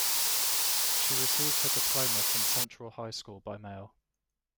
She received her diploma from Central High School by mail.